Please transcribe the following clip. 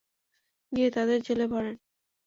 গিয়ে তাদের জেলে ভরেন।